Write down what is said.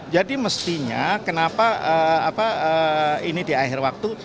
jadi mestinya kenapa ini di akhir waktu